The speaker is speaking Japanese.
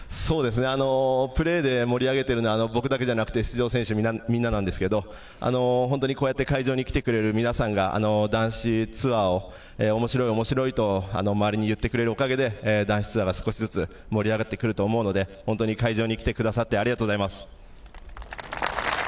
プレーで盛り上げているのは僕だけじゃなくて出場選手みんななんですけど、本当にこうやって会場に来てくれる皆さんが、男子ツアーをおもしろいおもしろいと周りに言ってくれるおかげで男子ツアーが少しずつ盛り上がってくると思うので、本当に会場に来てくださってありがとうございます。